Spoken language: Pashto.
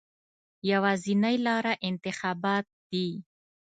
یوازینۍ لاره انتخابات دي.